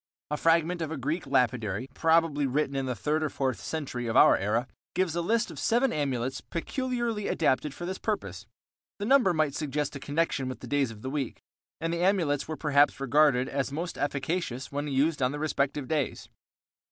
A fragment of a Greek Lapidary, probably written in the third or fourth century of our era, gives a list of seven amulets peculiarly adapted for this purpose. The number might suggest a connection with the days of the week, and the amulets were perhaps regarded as most efficacious when used on the respective days.